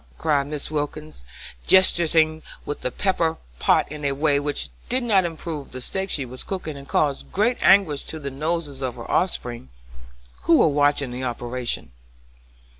cried Mrs. Wilkins, gesticulating with the pepper pot in a way which did not improve the steak she was cooking, and caused great anguish to the noses of her offspring, who were watching the operation.